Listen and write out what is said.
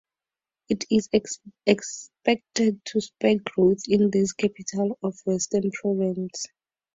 It is expected to spur growth in this capital of Western Province.